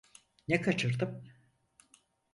Ne kaçırdım?